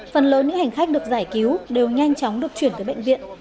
phần lớn những hành khách được giải cứu đều nhanh chóng được chuyển tới bệnh viện